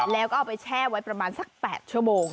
แล้วก็เอาไปแช่ไว้ประมาณสัก๘ชั่วโมง